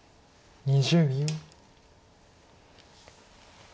２０秒。